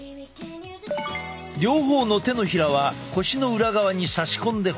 両方の手のひらは腰の裏側に差し込んでほしい。